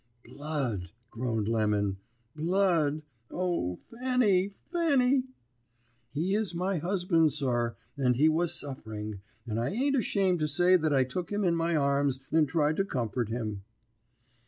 "'Blood!' groaned Lemon, 'Blood! O Fanny, Fanny!' "He is my husband, sir, and he was suffering, and I ain't ashamed to say that I took him in my arms, and tried to comfort him.